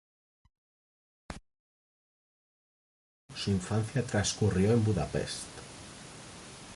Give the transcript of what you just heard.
Hija de un arquitecto húngaro su infancia transcurrió en Budapest.